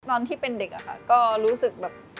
ตอนที่เป็นเด็กอะค่ะก็รู้สึกแบบ